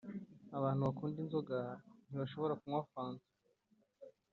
abantu bakunda inzoga ntibashobora nkunywa fanta